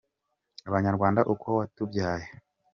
Abanyarwanda uko watubyaye